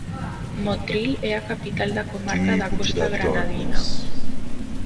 Motril é a capital da comarca da Costa Granadina.